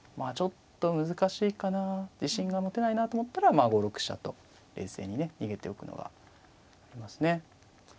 あちょっと難しいかな自信が持てないなと思ったら５六飛車と冷静にね逃げておくのがありますね。